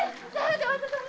どうぞ！